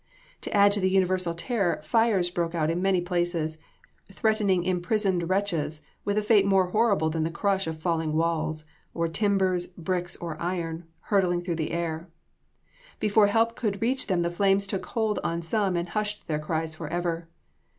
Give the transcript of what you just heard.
To add to the universal terror, fires broke out in many places, threatening imprisoned wretches with a fate more horrible than the crush of falling walls, or timbers, bricks or iron, hurtling through the air. Before help could reach them the flames took hold on some and hushed their cries forever.